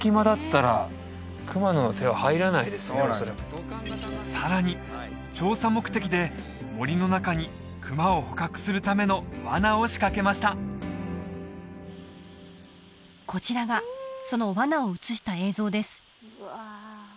恐らくさらに調査目的で森の中に熊を捕獲するためのわなを仕掛けましたこちらがそのわなを映した映像です